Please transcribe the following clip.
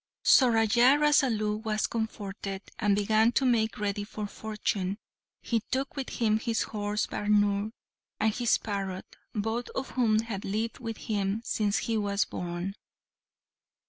So Raja Rasalu was comforted, and began to make ready for fortune. He took with him his horse Bhaunr and his parrot, both of whom had lived with him since he was born.